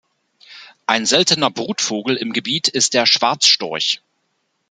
Ein seltener Brutvogel im Gebiet ist der Schwarzstorch.